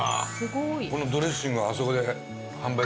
このドレッシングはあそこで販売されてる。